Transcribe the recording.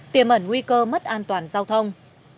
tiềm ẩn nguy cơ mất an toàn giao thông